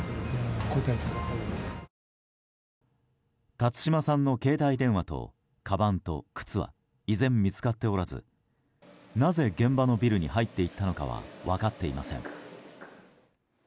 辰島さんの携帯電話とかばんと靴は依然、見つかっておらずなぜ現場のビルに入っていったのかは分かっていません。